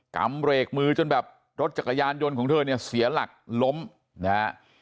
ำเรกมือจนแบบรถจักรยานยนต์ของเธอเนี่ยเสียหลักล้มนะฮะ